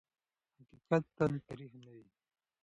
حقیقت تل تریخ نه وي.